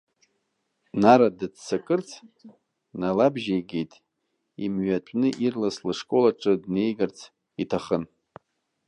Нара дыццакырц налабжьеигеит, имҩатәны ирлас лышкол аҿы днеигарц иҭахын.